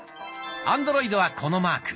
アンドロイドはこのマーク。